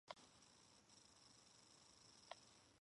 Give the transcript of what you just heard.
It is the fourth and final game in the Magic Knight series.